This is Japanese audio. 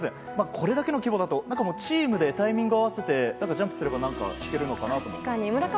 これだけの規模だとチームでタイミングを合わせてジャンプすれば何か弾けるのかなと思いますね。